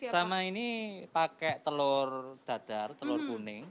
sama ini pakai telur dadar telur kuning